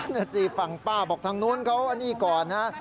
นั่นสิฝั่งป้าบอกทางนู้นเขาอันนี้ก่อนนะ